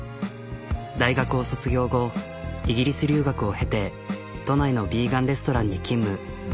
大学を卒業後イギリス留学を経て都内のヴィーガンレストランに勤務。